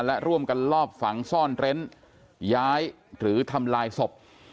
และร่วมกันลอบฝังซ่อนเร้นย้ายหรือทำลายศพ